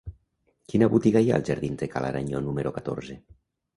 Quina botiga hi ha als jardins de Ca l'Aranyó número catorze?